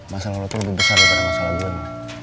masalah lo tuh lebih besar daripada masalah gue bang